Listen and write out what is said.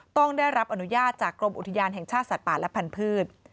ต้องได้รับอนุญาตจากกรมอุทยานแห่งชาติสัตว์ป่าและพันธุ์